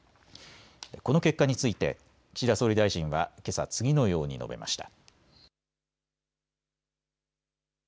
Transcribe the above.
この結果について岸田総理大臣はけさ次のように述べました。